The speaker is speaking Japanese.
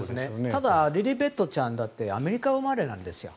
ただリリベットちゃんだってアメリカ生まれなんですよ。